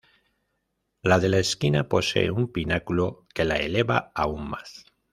La de la esquina posee un pináculo que la eleva aún más.